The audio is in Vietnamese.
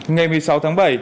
ngày một mươi sáu tháng bảy